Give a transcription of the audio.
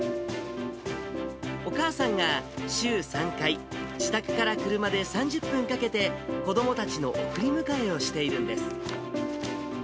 お母さんが週３回、自宅から車で３０分かけて、子どもたちの送り迎えをしているんです。